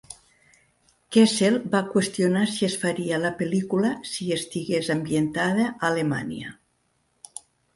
Kessel va qüestionar si es faria la pel·lícula si estigués ambientada a Alemanya.